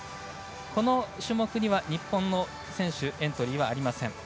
この種目には日本の選手エントリーはありません。